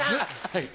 はい。